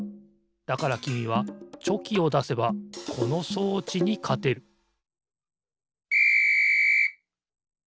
だからきみはチョキをだせばこの装置にかてるピッ！